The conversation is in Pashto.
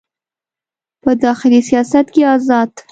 په داخلي سیاست کې ازاد